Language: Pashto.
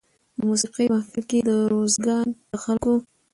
د موسېقۍ محفل کې د روزګان د خلکو